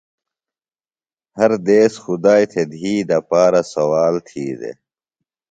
ہر دیس خدائی تھےۡ دِھی دپارہ سوال تھی دےۡ۔